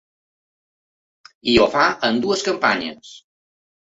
I ho fa amb dues campanyes.